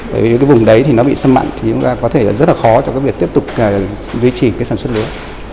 bởi vì vùng đấy thì nó bị sâm mặn thì chúng ta có thể rất là khó cho việc tiếp tục duy trì sản xuất lúa